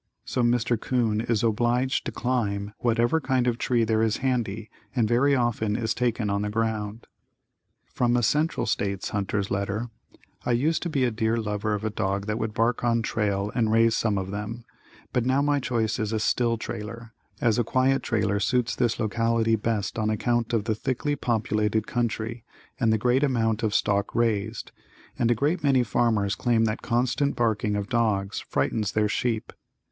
So Mr. 'Coon is obliged to climb whatever kind of a tree there is handy and very often is taken on the ground. From a Central States hunter's letter: I used to be a dear lover of a dog that would bark on trail and raise some of them, but now my choice is a still trailer, as a quiet trailer suits this locality best on account of the thickly populated country and the great amount of stock raised, and a great many farmers claim the constant barking of dogs frightens their sheep.